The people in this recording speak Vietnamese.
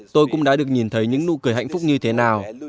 tôi cũng đã được nhìn thấy những nụ cười hạnh phúc như thế nào